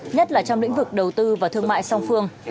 nhất là trong lĩnh vực đầu tư và thương mại song phương